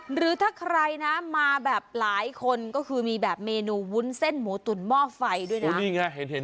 หรือถ้าใครนะมาแบบหลายคนก็คือมีแบบเมนูวุ้นเส้นหมูตุ๋นหม้อไฟด้วยนะ